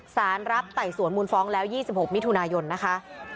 สารรับไต่สวนมูลฟ้องแล้ว๒๖มิถุนายนนะคะ